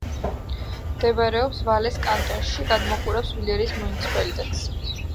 მდებარეობს ვალეს კანტონში; გადმოჰყურებს ვილერის მუნიციპალიტეტს.